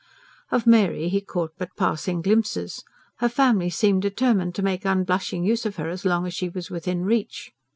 Of Mary he caught but passing glimpses; her family seemed determined to make unblushing use of her as long as she was within reach.